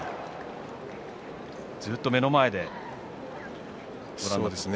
ずっと目の前でご覧になって。